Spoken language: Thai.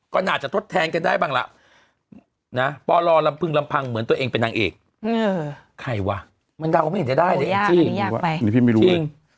ก็น่าจะทดแทนกันได้บ้างล่ะนะปอลอลำพึงลำพังเหมือนตัวเองเป็นนางเอกใครวะมันเดาไม่เห็นได้เลยจริง